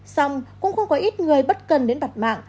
xong cũng không có ít người bất cần đến mặt mạng